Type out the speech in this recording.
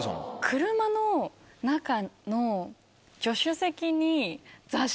車の中の助手席に。